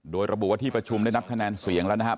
โดยระบุว่าที่ประชุมได้นับคะแนนเสียงแล้วนะครับ